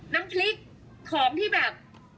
น้ำพริกของที่แบบ